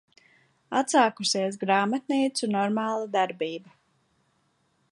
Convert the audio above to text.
Atsākusies grāmatnīcu normāla darbība.